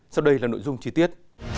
sau đây là nội dung chi tiết